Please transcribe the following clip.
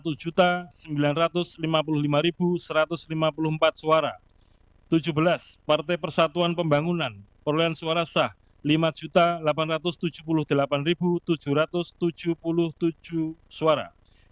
tujuh belas partai persatuan pembangunan perolehan suara sah lima delapan ratus tujuh puluh delapan tujuh ratus tujuh puluh tujuh suara